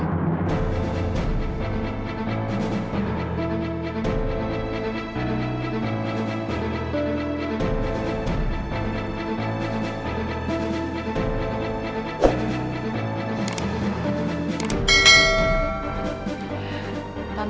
iya pak maman